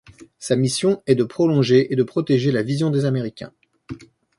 Sa mission est de prolonger et de protéger la vision des américains.